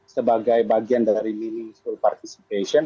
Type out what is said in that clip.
sebagai bagian dari meaningful participation